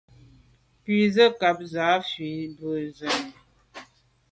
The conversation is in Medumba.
Nkwé ze nkàb zə̄ à fâ’ bû zə̀’nì.